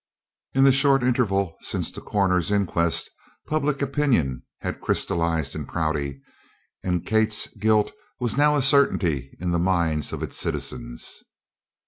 In the short interval since the coroner's inquest public opinion had crystallized in Prouty, and Kate's guilt was now a certainty in the minds of its citizens.